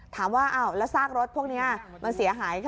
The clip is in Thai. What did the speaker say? ถามว่าแล้วซากรถพวกนี้มันเสียหาย